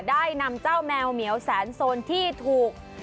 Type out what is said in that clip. ได้นำเจ้าแมวเหมียวแสนโซนที่ถูก